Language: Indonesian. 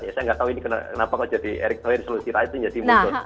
saya nggak tahu ini kenapa pak erick thohir solusi rakyat itu jadi mundur